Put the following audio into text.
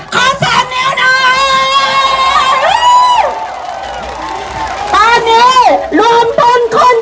ขอเติบนิ้วหน่อย